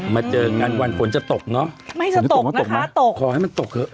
มาเจอกันงานวันฝนจะตกเนอะไม่จะตกนะคะตกขอให้มันตกเถอะ